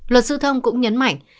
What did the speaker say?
luật sư thơm cũng nhấn mạnh